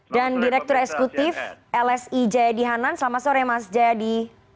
dan direktur esekutif lsi jayadi hanan selamat sore mas jayadi